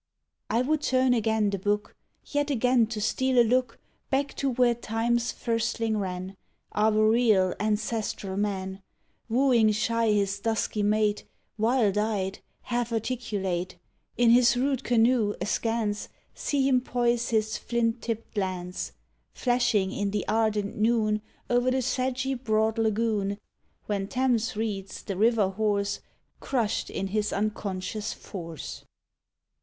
I would turn again the book, Yet again to steal a look, Back to where Time's firstling ran— Arboreal ancestral man: Wooing shy his dusky mate, Wild eyed, half articulate: In his rude canoe, askance, See him poise his flint tipped lance, Flashing in the ardent noon O'er the sedgy broad lagoon, When Thames reeds the river horse Crushed in his unconscious force.